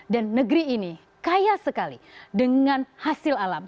negeri ini kaya sekali dengan hasil alam